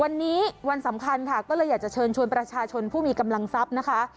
วันนี้วันสำคัญค่ะก็เลยอยากจะเชิญชวนประชาชนผู้มีกำลังทรัพย์นะคะ